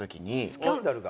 スキャンダルが？